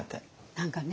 何かね